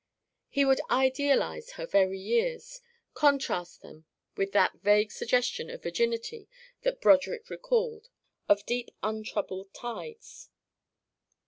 He would idealise her very years, contrast them with that vague suggestion of virginity that Broderick recalled, of deep untroubled tides.